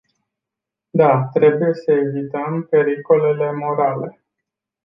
Da, trebuie să evităm pericolele morale.